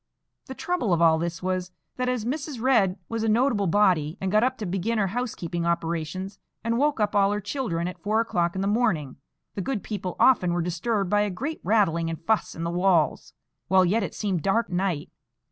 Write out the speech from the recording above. The trouble of all this was, that, as Mrs. Red was a notable body, and got up to begin her housekeeping operations, and woke up all her children, at four o'clock in the morning, the good people often were disturbed by a great rattling and fuss in the walls, while yet it seemed dark night.